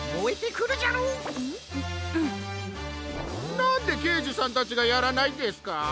なんでけいじさんたちがやらないんですか？